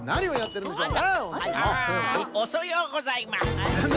おそようございます！